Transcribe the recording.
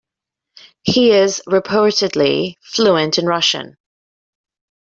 He is reportedly fluent in Russian.